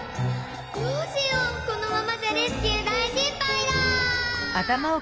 どうしようこのままじゃレスキュー大しっぱいだ！